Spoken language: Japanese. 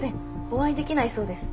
お会いできないそうです。